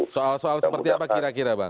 soal soal seperti apa kira kira bang